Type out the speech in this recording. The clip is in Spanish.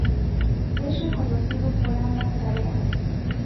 Es reconocido por ambas tareas.